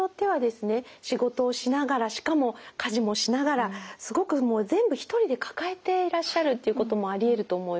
仕事をしながらしかも家事もしながらすごくもう全部一人で抱えていらっしゃるということもありえると思います。